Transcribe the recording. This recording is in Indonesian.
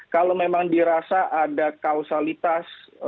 kalau memang dirasa ada kausalitas